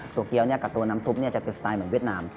ตัวเกี๊ยวและน้ำซุปจะเป็นสไตล์รสเป็นเวียดนาม